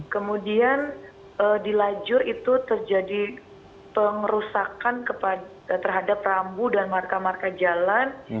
kemudian di lajur itu terjadi pengerusakan terhadap rambu dan marka marka jalan